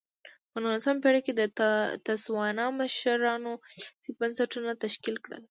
په نولسمه پېړۍ کې د تسوانا مشرانو سیاسي بنسټونه تشکیل کړل.